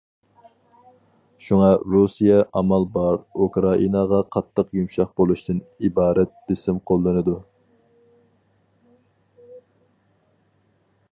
شۇڭا رۇسىيە ئامال بار ئۇكرائىناغا قاتتىق يۇمشاق بولۇشتىن ئىبارەت بېسىم قوللىنىدۇ.